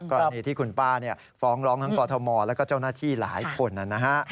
กรณีที่คุณป้าฟ้องร้องทั้งกอทมแล้วก็เจ้าหน้าที่หลายคนนะฮะ